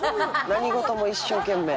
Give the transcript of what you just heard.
何事も一生懸命。